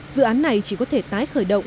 dự án này chỉ có thể tái khởi động